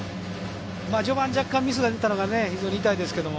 序盤、若干ミスが出たのが非常に痛いですけども。